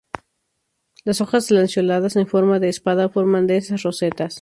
Los hojas lanceoladas en forma de espada forman densas rosetas.